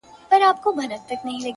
چي پر ټولو پاچهي کوي یو خدای دئ؛